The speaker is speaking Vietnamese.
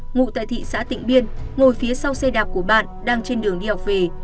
ngụ tại thị xã tịnh biên ngồi phía sau xe đạp của bạn đang trên đường đi học về